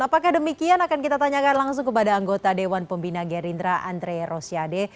apakah demikian akan kita tanyakan langsung kepada anggota dewan pembina gerindra andre rosiade